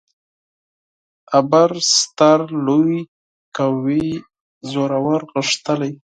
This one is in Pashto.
ابر: ستر ، لوی ، قوي، زورور، غښتلی